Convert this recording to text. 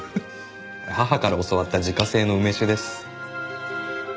母から教わった自家製の梅酒です。